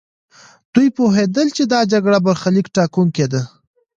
دوی پوهېدل چې دا جګړه برخليک ټاکونکې ده.